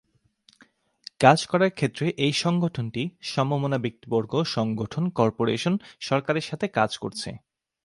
কাজ করার ক্ষেত্রে এই সংগঠনটি সমমনা ব্যক্তিবর্গ, সংগঠন, কর্পোরেশন, সরকারের সাথে কাজ করছে।